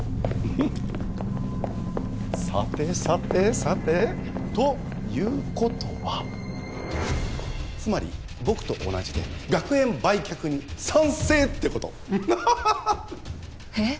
さてさてさてということはつまり僕と同じで学園売却に賛成ってことンフハハハえっ？